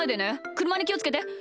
くるまにきをつけて。